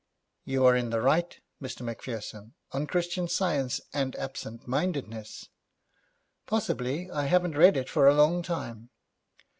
'You are in the right, Mr. Macpherson; on Christian Science and Absent Mindedness.' 'Possibly. I haven't read it for a long while.'